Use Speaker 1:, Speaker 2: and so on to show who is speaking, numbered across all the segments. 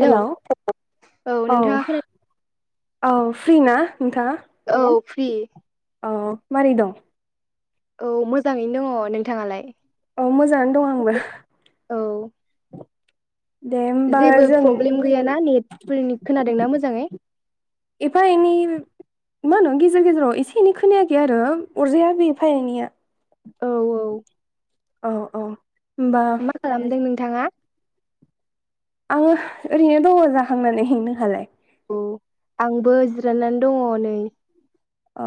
Speaker 1: Hello औ।
Speaker 2: नोंथाङा खोनादों
Speaker 1: औ फ्रि ना नोंथाङा।
Speaker 2: औ फ्रि।
Speaker 1: औ मोरै दं?
Speaker 2: औ मोजाङैनो दङ नोंथाङालाय?
Speaker 1: औ मोजाङानो दं आंबो।
Speaker 2: औ
Speaker 1: दे होमबा
Speaker 2: जेबो
Speaker 1: जों
Speaker 2: प्रब्लेम गैयाना नेटफोरनि खोनादोंना मोजाङै।
Speaker 1: एफा एनै मा होनो गेजेर गेजेराव एसे एनै खोनायाखै आरो अरजाया बे एफा एनैया।
Speaker 2: औ औ
Speaker 1: औ औ होनबा
Speaker 2: मा खालामदों नोंथाङा
Speaker 1: आङो ओरैनो दङ जाखांनानै नों हालाय?
Speaker 2: औ आंबो जिरायनानै दङ नै।
Speaker 1: अ।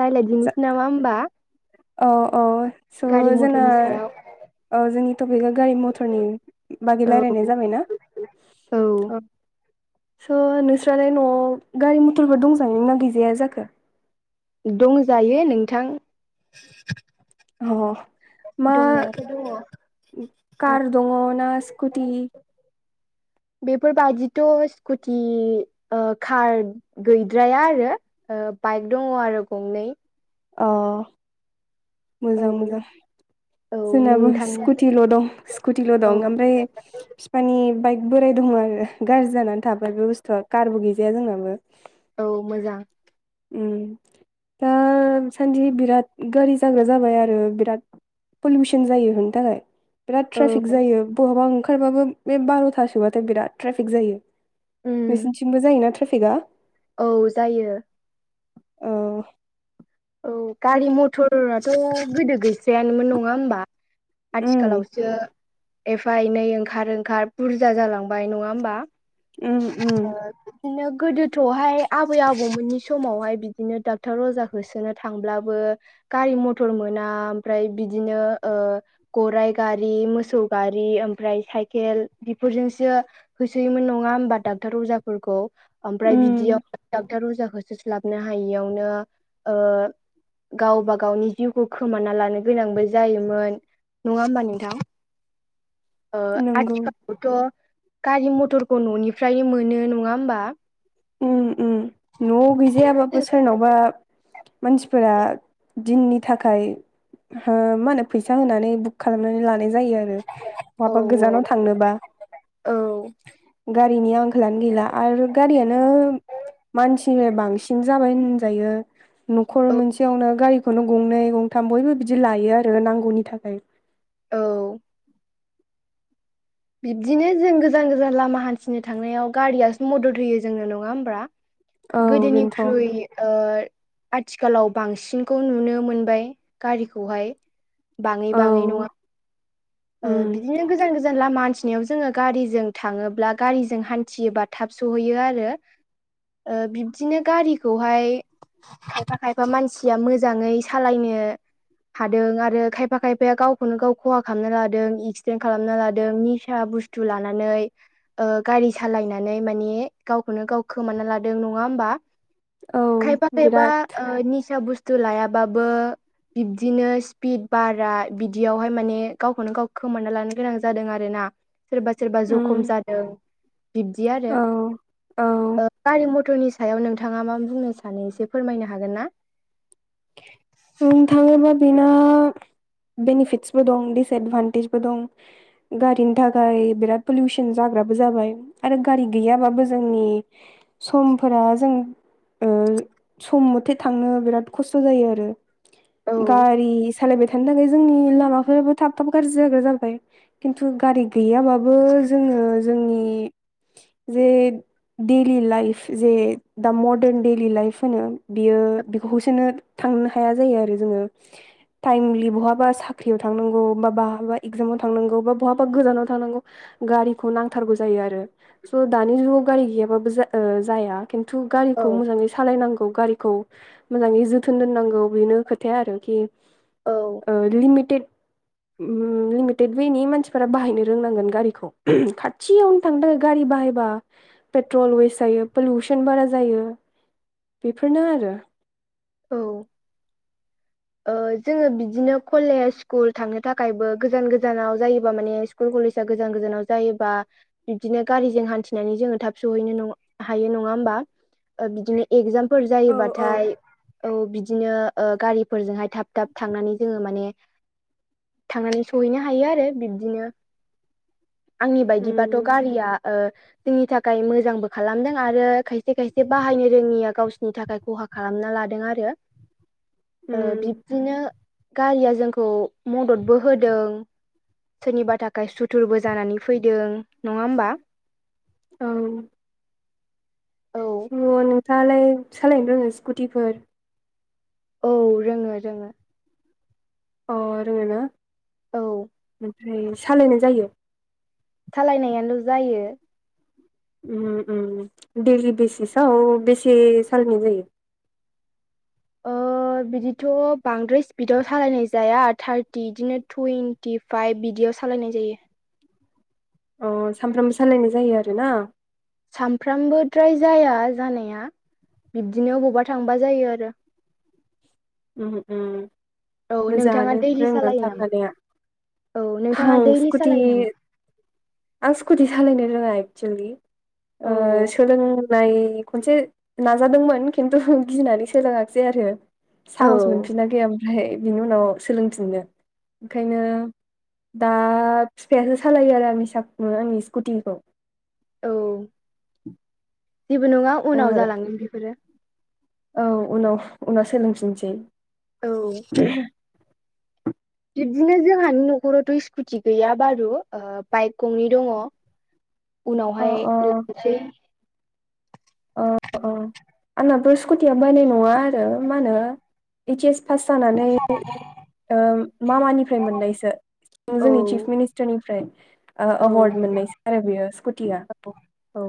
Speaker 2: रायज्लाय दिनिसै नामा ओमबा?
Speaker 1: औ औ स जोङो
Speaker 2: सायाव
Speaker 1: औ जोंनि टपिकआ गारि मथरनि बागै
Speaker 2: औ
Speaker 1: रायलायनाय जाबायना। औ। स नोंस्रालाय नआव गारि मथरफोर दं जायो ना गैजाया जाखो।
Speaker 2: दंजायो नोंथां।
Speaker 1: अ मा
Speaker 2: दंनायाथ' दङ
Speaker 1: कार दङ ना स्कुटि। [inaudible]
Speaker 2: बेफोरबायदिथ स्कुटि कार गैद्राया आरो ओ बाइक दङ आरो गंनै।
Speaker 1: अ
Speaker 2: औ
Speaker 1: मोजां मोजां
Speaker 2: औ
Speaker 1: जोंनाबो
Speaker 2: नोंथां
Speaker 1: स्कुटिल' दं स्कुटिल'
Speaker 2: औ
Speaker 1: दं ओमफ्राय बिफानि बाइक बोराय दङ आरो गाज्रि जानानै थाबाय बे बुस्थुआ कारबो गैजाया जोंनाबो।
Speaker 2: औ मोजां
Speaker 1: उम दा दासान्दि बिराद गारि जाग्रा जाबाय आरो बिराद पलुसन जायो बिनि थाखाय। बिराद
Speaker 2: औ
Speaker 1: ट्राफिक जायो बहाबा ओंखारबाबो बे बारथासोबाथाय बिराद ट्राफिक जायो।
Speaker 2: उम
Speaker 1: नोंसिनिथिंबो जायोना ट्राफिकआ।
Speaker 2: औ जायो।
Speaker 1: औ।
Speaker 2: औ गारि
Speaker 1: उम
Speaker 2: मथराथ गोदो गैस्रायानोमोन नङा होमबा। आथिखालावसो। एफा एनै ओंखार ओंखार बुरजा जालांबाय नङा होमबा।
Speaker 1: उम उम।
Speaker 2: बिदिनो गोदोथहाय आबै आबौमोननि समावहाय बिदिनो डाक्टर अजा। होसोनो थांब्लाबो गारि मथर मोना ओमफ्राय बिदिनो ओ गराय गारि मोसौ गारि ओफ्राय साइकेल बेजोंसो होसोयोमोन नङा होमबा। डाक्टर अजाफोरखौ ओमफ्राय
Speaker 1: उम
Speaker 2: बिदियावनो डाक्टर अजाखौ होसोस्लाबनो हायियावनो ओ गावबा गावनि जिउखौ खोमाना लानो गोनांबो जायोमोन नङा होमबा नोंथां।
Speaker 1: [inaudible]
Speaker 2: ओ
Speaker 1: नंगौ
Speaker 2: आथिखालावथ' गारि मथरखौ ननिफ्रायनो मोनो नङा होमबा।
Speaker 1: उम उम नआव गैजायाबाबो सोरनावबा मानसिफोरा दिननि थाखाय हो मा होनो फैसा होनानै बुक खालामनानै लानाय जायो आरो
Speaker 2: औ
Speaker 1: बहाबा गोजानाव थांनोबा।
Speaker 2: औ
Speaker 1: गारिनि आंखालानो गैला आरो गारिया नो मानसिनि बांसिन जाबाय होनजायो नखर
Speaker 2: औ
Speaker 1: मोनसेयावनो गारि खौनो गंनै गंथाम बयबो बिदि लायो आरो नांगौनि थाखाय।
Speaker 2: औ। बिब्दिनो जों गोजान गोजान लामा हान्थिनो थांनायाव गारियासो मदद होयो जोंनो। नङा होमब्ला?
Speaker 1: औ बेनोथ'
Speaker 2: गोदोनिख्रुइ ओ आथिखालाव बांसिनखौ नुनो मोनबाय गारिखौहाय।
Speaker 1: औ
Speaker 2: बाङै-बाङै नङा ओ
Speaker 1: उम
Speaker 2: बिदिनो गोजान गोजान लामा हान्थि नयाव जोङो गारिजों थाङोब्ला गारिजों हान्थियोबा थाब सहैयो आरो। ओ बिब्दिनो गारिखौहाय खायफा खायफा मानसिया मोजाङै सालायनो, हादों आरो खायफा खायफाया गावखौनो गाव खहा खालामना लादों एक्सिदेन्ट खालामना लादों निसा बुस्थु लानानै। ओ गारि सालायनानै मानि गावखौनो गाव खोमाना लादों नङा होमबा।
Speaker 1: औ
Speaker 2: खायफा खायफा
Speaker 1: बिराद
Speaker 2: निसा बुस्थ थु लायाबाबो बिब्दिनो स्पिड बारा बिदियावहाय माने गावखौनो गाव खोमाना लानो गोनां जादों आरो ना। सोरबा सोरबा
Speaker 1: उम
Speaker 2: जखम जादों बिब्दि आरो
Speaker 1: औ औ
Speaker 2: गारि म टरनि सायाव नोंथाङा मा बुंनो सानो एसे फोरमायनो हागोनना?
Speaker 1: बुंनो थाङोबा बिना बेनिफिटसबो दं दिसएदभान्टेजबो दं गारिनि थाखाय बिराद पलिउसन जा ग्राबो जाबाय आरो गारि गैयाबाबो जोंनि समफोरा जों ओ सम मथे थांनो बिराद खस्थ' जायो आरो
Speaker 2: औ
Speaker 1: गारि सालायबाय थानो थाखाय जोंनि लामाफोराबो थाब थाब गाज्रि जाग्रा जाबाय खिन्थु गारि गैयाबाबो जोङो जोंनि जे डैलि लाइफ जे दा मदार्न डैलि लाइफ होनो बियो बेखौ हो नो थांनो हाया जायो आरो जोङो। टाइमलि बहाबा साख्रियाव थांनांगौ बा बहाबा एगजामाव थांनांगौ बा बहाबा गोजानाव थांनांगौ गारिखौ नांथारगौ जायो आरो, स' दानि जुगाव गारि गैयाबाबो जाया। खिन्थु
Speaker 2: औ
Speaker 1: गारिखौ मोजाङै सालायनांगौ गारिखौ मोजाङै जोथोन दोननांगौ बेनो खोथाया आरोखि
Speaker 2: औ
Speaker 1: ओ लिमिटेड [inaudible] लिमिटेड वेनि मानसिफोरा बाहायनो रोंनांगोन गारिखौ खाथियावनो थांनो थाखाय गारि बाहायबा पेट्रल वेस्ट जायो पलिउसन बारा जायो बेफोरनो आरो।
Speaker 2: औ ओ जोङो बिदिनो कलेज स्कुल थांनो थाखायबो गोजान गोजानाव जायोबा माने स्कुल कलेजा गोजान गोजानाव जायोबा बिदिनो गारिजों हान्थिनानै जोङो थाब सहैनो नङ हायो नङा होमबा बिदिनो एगजामफोर जायोबाथाय औ बिदिनो गारि फोरजों हाय थाब थाब थांनानै जोङो माने थांनानै सहैनो हायो आरो बिब्दिनो। आंनि बायदिबाथ'
Speaker 1: उम
Speaker 2: गारिया ओ जोंनि थाखाय मोजांबो खालामदों आरो खायसे खायसे बाहायनो रोङिया गावसिनि थाखाय खहा खालामना लादों आरो।
Speaker 1: [inaudible]
Speaker 2: ओ
Speaker 1: उम
Speaker 2: बिब्दिनो गारिया जोंखौ मददबो होदों। सोरनिबा थाखाय सुथुरबो जानानै फैदों नङा होमबा?
Speaker 1: औ
Speaker 2: औ
Speaker 1: दङ नोंथाङालाय सालायनो रोङो स्कुटिफोर?
Speaker 2: औ रोङो रोङो।
Speaker 1: औ रोङोना?
Speaker 2: औ
Speaker 1: ओमफ्राय सालायनाय जायो?
Speaker 2: सालायनायाल' जायो
Speaker 1: उम उम दैलि बेसिसआव बेसे सालायनाय जायो? [inaudible]
Speaker 2: ओ बिदिथ' बांद्राय स्पिडाव सालायनाय जाया थार्टि बिदिनो टुइन्टि फाइभ बिदि बेयाव सालायनाय जायो।
Speaker 1: अ सानफ्रामबो सालायनाय जायो आरोना?
Speaker 2: सानफ्रामबोद्राय जाया जानाया बिब्दिनो बबावबा थांबा जायो आरो।
Speaker 1: उम उम
Speaker 2: औ नोंथाङा
Speaker 1: मोजाङानो
Speaker 2: दैलि
Speaker 1: रोंनानै
Speaker 2: सालायो नामा
Speaker 1: थाखानाया।
Speaker 2: औ नोंथाङा
Speaker 1: उम
Speaker 2: दैलि
Speaker 1: सकुटि
Speaker 2: सालायो नामा
Speaker 1: आं सकुटि सा सालायनो रोङा एक्सुेलि ओ
Speaker 2: औ
Speaker 1: सोलों नाय खनसे नाजादोंमोन खिन्थु गिनानै सोलोङाखिसै आरो।
Speaker 2: औ
Speaker 1: साहस मोनफिना गैया ओमफ्राय बिनि उनाव सोलोंफिननो ओंखायनो दा फिफायासो सालायो आरो आंनि सा आंनि स्कुटिखौ।
Speaker 2: औ जेबो नङा
Speaker 1: ओ
Speaker 2: उनाव जालांगोन बेफोरो।
Speaker 1: औ उनाव उनाव सोलोंफिनसै।
Speaker 2: औ बिब्दिनो जोंहानि न'खरावथ' स्कुटि गैया बारु ओ बाइक गंनै दङ।
Speaker 1: [inaudible] अ
Speaker 2: उनावहाय लानोसै।
Speaker 1: औ औ आंहथ' स्कुटिया बायनाय नङा आरो मा होनो एइच एस पास जानानै ओ मामानिफ्राय मोननायसो। उम
Speaker 2: औ
Speaker 1: जोंनि चिफ मिनिस्टारनिफ्राय
Speaker 2: औ
Speaker 1: एवार्ड मोननायसै आरो बेयो स्कुटिया।
Speaker 2: औ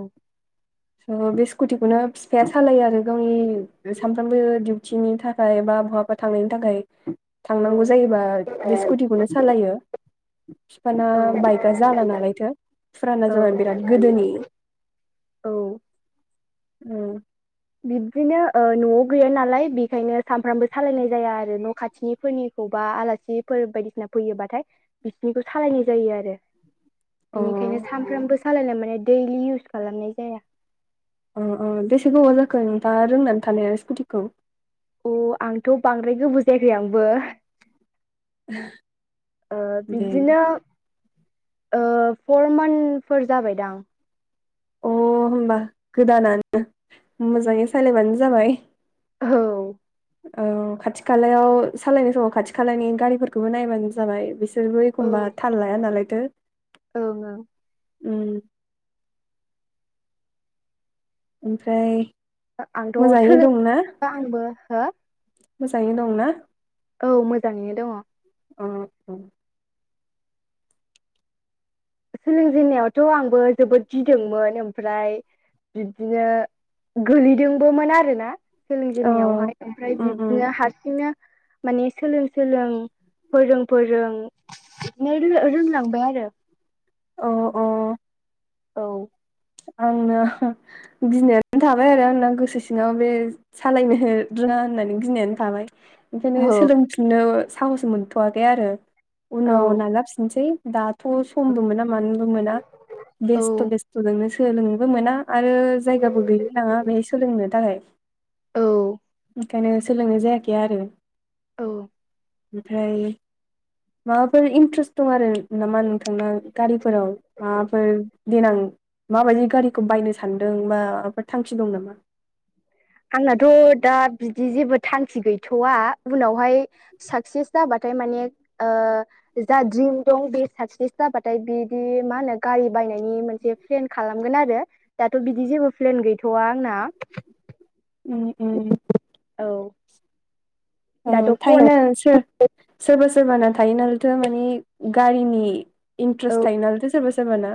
Speaker 1: अ बे स्कुटि खाथिनि थाखाय बा बहाबा थांनायनि थाखाय
Speaker 2: औ
Speaker 1: थांनांगौ जायोबा बे स्कुटिखौनो सालायो। फिफाना
Speaker 2: औ
Speaker 1: बाइकआ जाला नालायथो फुराना
Speaker 2: औ
Speaker 1: जाबाय बिराद गोदोनि। उम
Speaker 2: बिब्दिनो ओ न'आव गैया नालाय बेखायनो सानफ्रामबो सालायनाय जाया आरो न' खाथिनिफोरनि सोरखौबा आलासिफोर बायदिसिना फैयोबाथाय बिसिनिखौ सालायनाय जायो आरो।
Speaker 1: अ
Speaker 2: बिनिखायनो सानफ्रामबो सालायनाय माने दैलि इउस खालामनाय जाया।
Speaker 1: औ औ बेसे गोबाव जाखो नोंथांआ रोंनानै थानाया आरो स्कुटिखौ।
Speaker 2: अ आंथ' बांद्राय गोबाव जायाखै आंबो। ओ
Speaker 1: दे
Speaker 2: बिदिनो ओ फर मान्थफोर जाबायदां।
Speaker 1: अ होमबा गोदानानो मोजाङै सालायबानो जाबाय।
Speaker 2: औ
Speaker 1: औ खाथि खालायाव सालायनाय समाव खाथि खालानि गारिफोरखौबो नायबानो जाबाय बेसे बिसोरबो एखमबा थाल लाया नालायथो
Speaker 2: ओं ओं।
Speaker 1: उम ओमफ्राय
Speaker 2: आंथ'
Speaker 1: मोजाङै
Speaker 2: सोलों आंबो हो
Speaker 1: मोजाङैनो दंना?
Speaker 2: औ मोजाङैनो दङ।
Speaker 1: अ औ।
Speaker 2: सोलोंजेननायावथ' आंबो जोबोद गिदोंमोन। ओमफ्राय बिबदिनो गोलैदोंबोमोन आरोना सोलोंजेननायावहाय ओमफ्राय
Speaker 1: उम उम
Speaker 2: बिबदिनो हारसिंनो माने सोलों सोलों फोरों फोरों नो रो-रोंलांबाय आरो।
Speaker 1: अह अह।
Speaker 2: औ।
Speaker 1: आंना गिनायनानै थाबाय आरो आंना गोसो सिङाव बे सालायनो रोंआ आ होननानै गिनायानो थाबाय ओंखायनो
Speaker 2: औ
Speaker 1: सोलोंफिननो साहस मोनथ'वाखै आरो उनाव
Speaker 2: औ
Speaker 1: नालाफिनसै दाथ' समबो मोना मानोबो मोना बेस्थ' बेस्थ' सोलोंनोबो मोना आरो जायगाबो गैल नाङा बेहाय सोलोंनो थाखाय।
Speaker 2: औ
Speaker 1: ओंखायनो सोलोंनाय जायाखै आरो
Speaker 2: औ
Speaker 1: ओमफ्राय माबाफोर इन्ट्रेस्ट दं आरो नामा नोंथांना गारिफोराव माबाफोर देनां माबायदि गारिखौ बायनो सानदों बा माबाफोर थांखि दं नामा
Speaker 2: आंनाथ' दा बिदि जेबो थांखि गैथ'वा उनावहाय साक्सेस जाबाथ' माने ओ जा ड्रिम दं बेयो साक्सेस जाबाथाय बिदि मा होनो गारि बाय माने मोनसे प्लेन खालामगोन आरो दाथ बिदि जेबो प्लेन गैथ'आ आंना
Speaker 1: उम उम।
Speaker 2: औ।
Speaker 1: ओ
Speaker 2: दाथ' फराय
Speaker 1: थायोना सोर सोरबा सोरबा। सोरबाना थायोनालायथ' माने गारिनि
Speaker 2: औ
Speaker 1: इन्ट्रेस्ट थायो नालायथ' सोरबा सोरबाना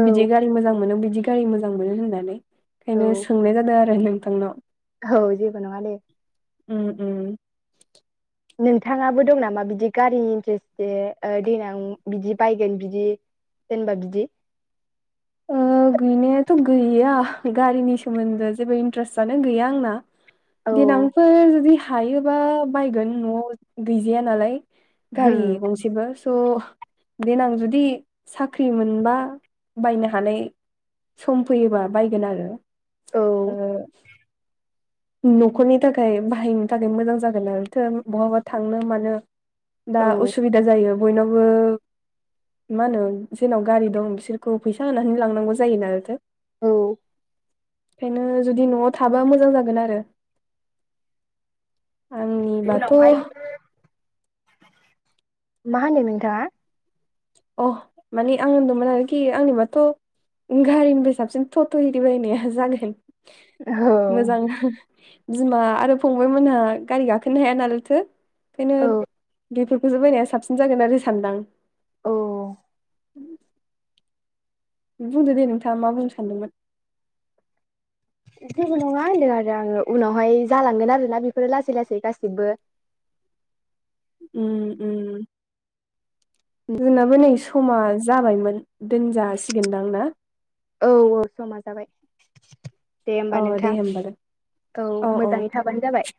Speaker 2: औ
Speaker 1: बिदि गारि मोजां मोनो बिदि गारि मोजां मोनो होननानै
Speaker 2: औ
Speaker 1: ओंखायनो सोंनाय जादों आरो नोंथांनाव
Speaker 2: औ जेबो नङा दे नोंथाङाबो दं नामा बिदि गारिनि इन्टारेस्ट दे दैेनां बिदि बायगोन बिदि जेनबा बिदि।
Speaker 1: ओ गैनायाथ' गैया गारिनि सोमोन्दो जेबो इन्ट्रेस्टआानो गैया आंना।
Speaker 2: औ
Speaker 1: देनांफोर जुदि हायोबा बायगोन न'आव गैजाया नालाय
Speaker 2: औ
Speaker 1: गारि गंसेबो स' देनां जुदि साख्रि मोनबा बायनो हानाय सम फैयोबा बायगोन आरो
Speaker 2: औ
Speaker 1: ओ [inaudible] न'खरनि थाखाय बाहायनो थाखाय मोजां जागोननालायथो बहाबा थांनो मानो दा उसुबिदा जायो। बयनावबो मा होनो जेनाव गारि दं बिसोर औ फैसा होनानै लांनांगौ जायो नालायथायो।
Speaker 2: औ।
Speaker 1: ओंखायनो जुदि न'आव थाबा मोजां जागोन आरो। आंनिबाथ'
Speaker 2: उनावहाय मा होनो नोंथाङा
Speaker 1: अ माने आं दमोन आरोखि आंनि बाथ' गारिनिफ्राय साबसिन टट' एरि बायनाया जागोन
Speaker 2: औ
Speaker 1: मोजां। बिमा आरो फंबाय मोनहा गारि गाखोनो हाया नालायथो ओंखायनो
Speaker 2: औ
Speaker 1: दैफोरखौसो बायनाया साबसिन जागोन आरो सानदां
Speaker 2: औ।
Speaker 1: उम। बुंदो दे नोंथाङा मा बुंनो सानदोंमोन
Speaker 2: जेबो नङा होनदों आरो आङो उनावहाय जालांगोन आरोना बेफोरो लासै लासै गासिबो
Speaker 1: उम उम। जोंनाबो नै समा जाबायमोन दोनजासिगोनदां ना
Speaker 2: औ औ समा जाबाय दे
Speaker 1: अ
Speaker 2: होमबा
Speaker 1: दे
Speaker 2: नोंथां।
Speaker 1: होमबालाय
Speaker 2: औ
Speaker 1: अ अ
Speaker 2: मोजाङै थाबानो जाबाय।